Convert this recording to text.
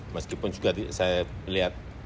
meskipun juga saya lihat